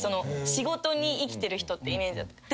仕事に生きてる人ってイメージだった。